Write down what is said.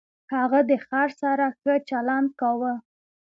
هغه د خر سره ښه چلند کاوه.